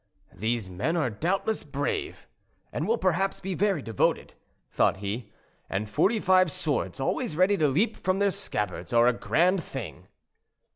"These men are doubtless brave, and will be perhaps very devoted," thought he; "and forty five swords always ready to leap from their scabbards are a grand thing."